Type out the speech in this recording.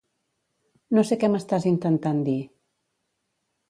No sé què m'estàs intentant dir.